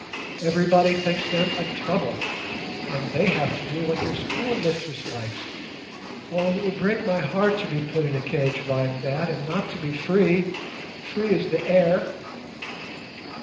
Everybody thinks them a trouble, and they have to do what their schoolmistress likes. Oh! it would break my heart to be put in a cage like that and not to be free—free as the air."